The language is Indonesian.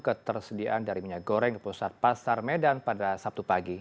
ketersediaan dari minyak goreng ke pusat pasar medan pada sabtu pagi